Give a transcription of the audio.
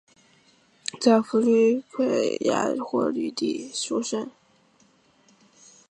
在佛律癸亚或吕底亚出生。